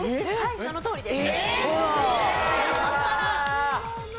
そのとおりです。